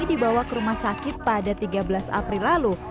dibawa ke rumah sakit pada tiga belas april lalu